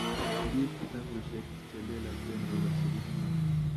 Ko kiip kitapusyek che lelachen kopwa sukuli nyo